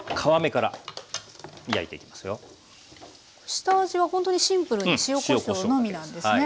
下味はほんとにシンプルに塩・こしょうのみなんですね。